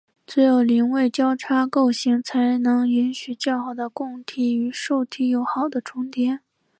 只有邻位交叉构型才能允许较好的供体与受体有好的重叠。